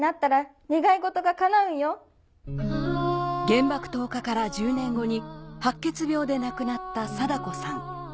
原爆投下から１０年後に白血病で亡くなった禎子さん